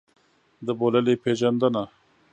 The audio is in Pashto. د بوللې پېژندنه.